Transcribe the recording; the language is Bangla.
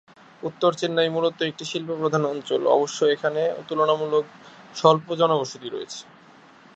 উত্তর চেন্নাই মূলত একটি শিল্প প্রধান অঞ্চল, অবশ্য এখানে তুলনামূলক স্বল্প জনবসতি রয়েছে।